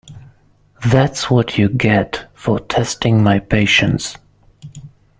That’s what you get for testing my patience.